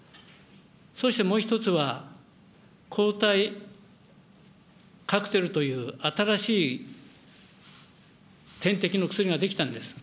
そしてもう一つは、抗体カクテルという新しい点滴の薬ができたんです。